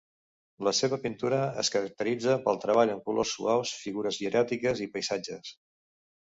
La seva pintura es caracteritza pel treball amb colors suaus, figures hieràtiques i paisatges.